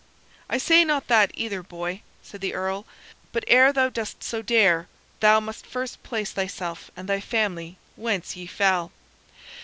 "I say not that either, boy," said the Earl; "but ere thou dost so dare, thou must first place thyself and thy family whence ye fell.